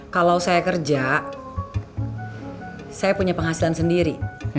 kalau saya kerja saya punya penghasilan sendiri